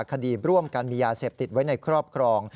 คดีร่วมกันมียาเสพติดไว้ในครอบครอง